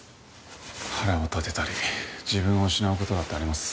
腹を立てたり自分を失う事だってあります。